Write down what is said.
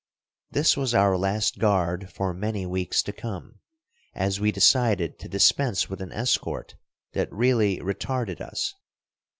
This was our last guard for many weeks to come, as we decided to dispense with an escort that really retarded us.